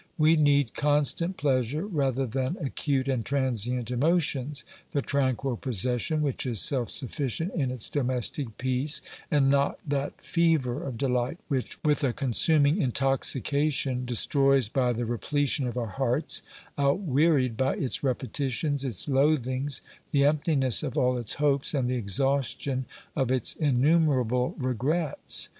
We need constant pleasure rather than acute and transient emotions, the tranquil possession which is self sufficient in its domestic peace, and not that fever of delight which, with a consuming intoxication, destroys by the repletion of our hearts, outwearied by its repetitions, its loathings, the emptiness of all its hopes and the exhaustion of its innumer able regrets.